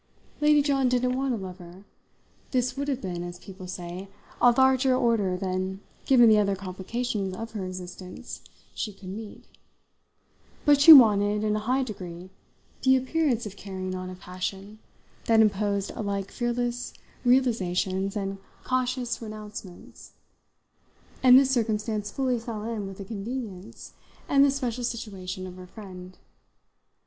Lady John didn't want a lover; this would have been, as people say, a larger order than, given the other complications of her existence, she could meet; but she wanted, in a high degree, the appearance of carrying on a passion that imposed alike fearless realisations and conscious renouncements, and this circumstance fully fell in with the convenience and the special situation of her friend.